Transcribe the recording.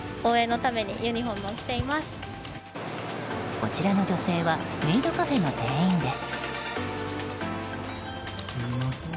こちらの女性はメイドカフェの店員です。